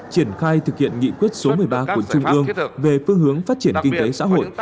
triển khai thực hiện nghị quyết số một mươi ba của trung ương về phương hướng phát triển kinh tế xã hội